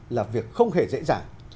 là việc không hề dễ dàng